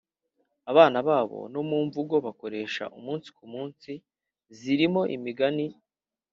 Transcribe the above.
abana babo no mu mvugo bakoresha umunsi ku munsi, zirimo imigani